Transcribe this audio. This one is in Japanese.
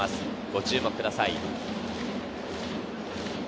ご注目くください。